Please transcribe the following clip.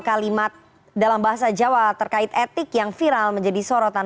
kalimat dalam bahasa jawa terkait etik yang viral menjadi sorotan